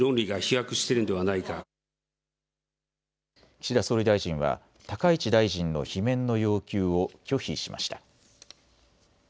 岸田総理大臣は高市大臣の罷免の要求を拒否しました。